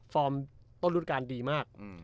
ฟอร์มต้นฤดูการดีมากอืม